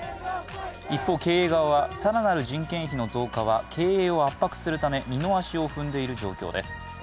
一方、経営側は更なる人件費の増加は経営を圧迫するため二の足を踏んでいる状況です。